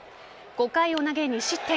５回を投げ２失点。